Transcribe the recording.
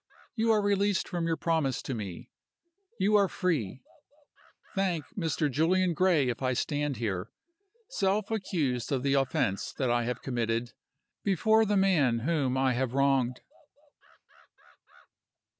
You are released from your promise to me you are free. Thank Mr. Julian Gray if I stand here self accused of the offense, that I have committed, before the man whom I have wronged."